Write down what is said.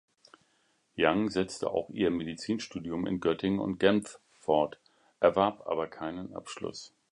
Young setzte auch ihr Medizinstudium in Göttingen und Genf fort, erwarb aber keinen Abschluss.